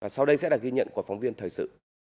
sau đây sẽ là ghi nhận của phóng viên thời sự